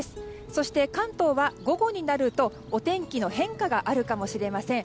そして、関東は午後になるとお天気の変化があるかもしれません。